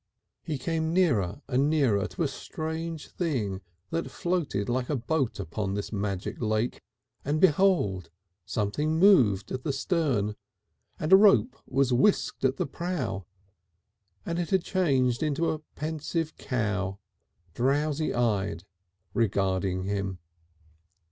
He came nearer and nearer to a strange thing that floated like a boat upon this magic lake, and behold! something moved at the stern and a rope was whisked at the prow, and it had changed into a pensive cow, drowsy eyed, regarding him....